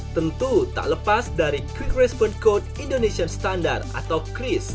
tentu tak lepas dari quick response code indonesian standard atau cris